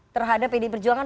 terhadap pdi perjuangan